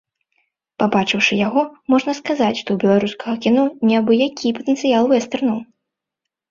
Пабачыўшы яго, можна сказаць, што ў беларускага кіно не абы-які патэнцыял вэстэрнаў.